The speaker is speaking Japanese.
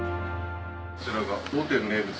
こちらが。